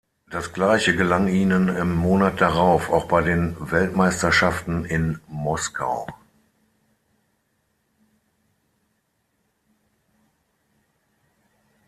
Das gleiche gelang ihnen im Monat darauf auch bei den Weltmeisterschaften in Moskau.